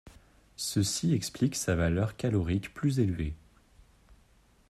Ceci explique sa valeur calorique plus élevée.